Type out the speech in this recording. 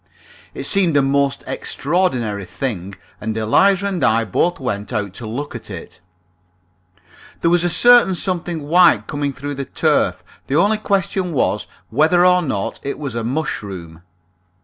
It seemed a most extraordinary thing, and Eliza and I both went out to look at it. There was certainly something white coming through the turf; the only question was, whether or not it was a mushroom.